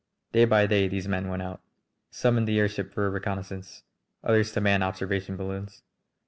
Day by day these men went out, some in the airship for a reconnoissance, others to man observation balloons.